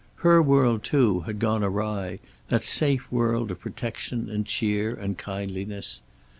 Her world, too, had gone awry, that safe world of protection and cheer and kindliness.